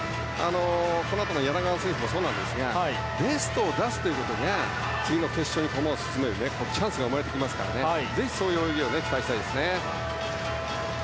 このあとの柳川選手もそうですがベストを出すということで次の決勝に駒を進めるチャンスが生まれてきますからぜひ、そういう泳ぎを期待したいですね。